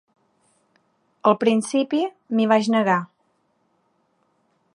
Al principi m’hi vaig negar.